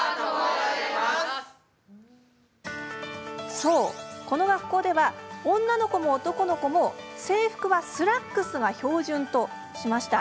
そう、この学校では女の子も男の子も制服はスラックスが標準としました。